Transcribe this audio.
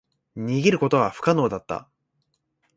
逃げることは不可能だった。